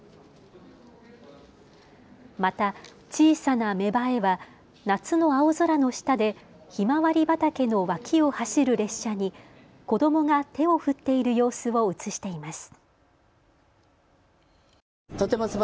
また小さな芽生えは夏の青空の下でひまわり畑の脇を走る列車に子どもが手を振っている様子を写しています。